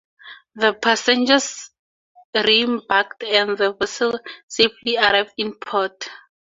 The passengers reembarked and the vessel safely arrived in port.